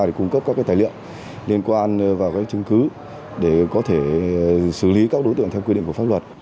để cung cấp các tài liệu liên quan vào các chứng cứ để có thể xử lý các đối tượng theo quy định của pháp luật